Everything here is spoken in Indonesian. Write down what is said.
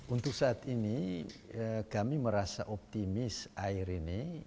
untuk saat ini kami merasa optimis air ini